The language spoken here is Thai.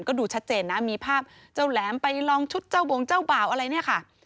ก็ดูชัดเจนนะมีภาพเจ้าแหลมไปลองชุดเจ้าบงเจ้าบ่าวอะไรเนี่ยค่ะ